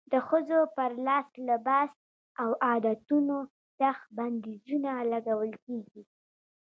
د ښځو پر لباس او عادتونو سخت بندیزونه لګول کېږي.